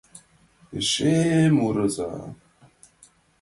Эше мурыза!»